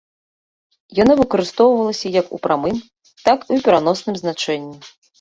Яно выкарыстоўвалася як у прамым, так і ў пераносным значэнні.